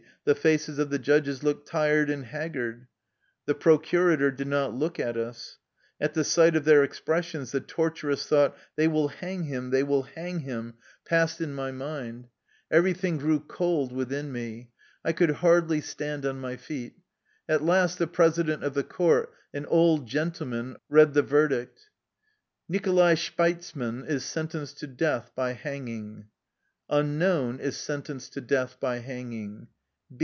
The faces of the judges looked tired and haggard. The procura tor did not look at us. At the sight of their expressions the torturous thought, " They will hang him ! They will hang him !" passed in my 156 THE LIFE STOKY OF A RUSSIAN EXILE mind. Everything grew cold within me. I could hardly stand on my feet. At last the president of the court, an old general, read the verdict. " Nicholai Shpeizman is sentenced to death by hanging. ^ Unknown ' is sentenced to death by hanging.